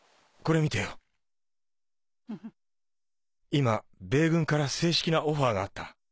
今米軍から正式なオファーがあった